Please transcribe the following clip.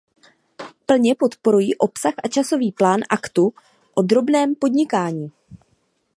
Plně podporuji obsah a časový plán Aktu o drobném podnikání.